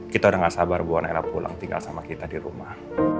kita sudah tidak sabar buat nera pulang tinggal sama kita di rumah